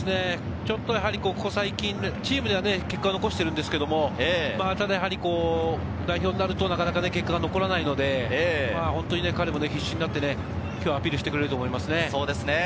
ちょっとここ最近、チームでは結果を残しているんですけど、ただやはり代表になるとなかなか結果が残らないので、彼も必死になって今日アピールしてくれると思います。